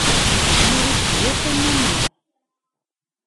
Nuɣ-itt d yir tannumi.